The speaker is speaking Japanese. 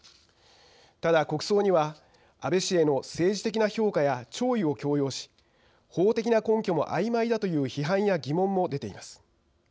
ただ、国葬には安倍氏への政治的な評価や弔意を強要し法的な根拠もあいまいだという批判や疑問も出ています。